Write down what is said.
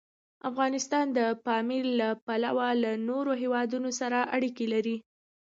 افغانستان د پامیر له پلوه له نورو هېوادونو سره اړیکې لري.